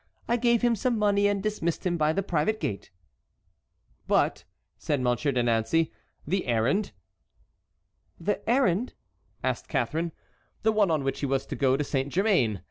I gave him some money and dismissed him by the private gate." "But," said Monsieur de Nancey, "the errand?" "The errand?" asked Catharine. "The one on which he was to go to Saint Germain.